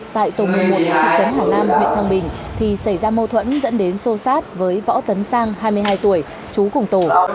tại tổ một mươi một thị trấn hà lam huyện thăng bình thì xảy ra mâu thuẫn dẫn đến sô sát với võ tấn sang hai mươi hai tuổi chú cùng tổ